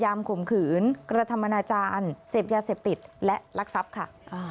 ยามขมขืนกระธรรมนาจารย์เซพยาเสพติดและรักษัพท์ค่ะ